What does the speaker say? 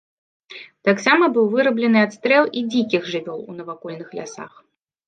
Таксама быў выраблены адстрэл і дзікіх жывёл у навакольных лясах.